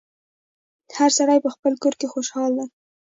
هر سړی په خپل کور کي خوشحاله دی